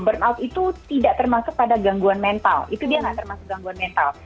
burnout itu tidak termasuk pada gangguan mental itu dia tidak termasuk gangguan mental